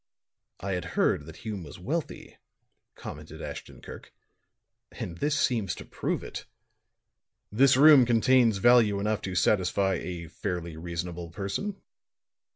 "I had heard that Hume was wealthy," commented Ashton Kirk. "And this seems to prove it. This room contains value enough to satisfy a fairly reasonable person."